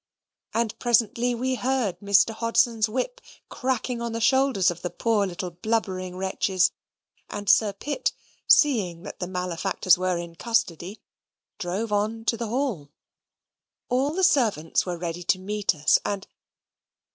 And presently we heard Mr. Hodson's whip cracking on the shoulders of the poor little blubbering wretches, and Sir Pitt, seeing that the malefactors were in custody, drove on to the hall. All the servants were ready to meet us, and